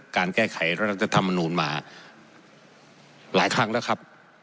การแก้ไขรัฐธรรมนูลมาหลายครั้งแล้วครับ